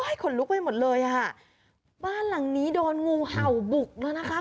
ขนลุกไปหมดเลยอ่ะค่ะบ้านหลังนี้โดนงูเห่าบุกแล้วนะคะ